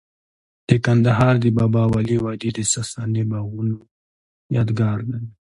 د کندهار د بابا ولی وادي د ساساني باغونو یادګار دی